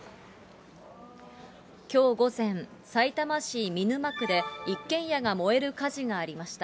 きょう午前、さいたま市見沼区で、一軒家が燃える火事がありました。